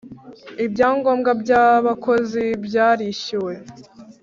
Ibyangombwa by abakozi byarishyuwe